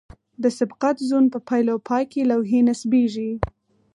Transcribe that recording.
د سبقت زون په پیل او پای کې لوحې نصبیږي